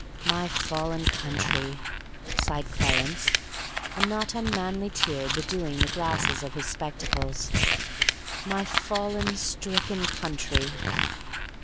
"My fallen country!" sighed Clarence, a not unmanly tear bedewing the glasses of his spectacles. "My fallen, stricken country!"